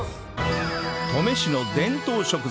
登米市の伝統食材